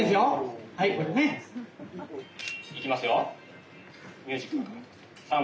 いきますよ。